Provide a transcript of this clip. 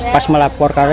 pas melapor kalian